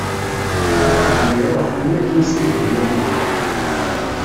Abṛaham iṛuḥ, am wakken i s-t-id-inna Umeɣlal.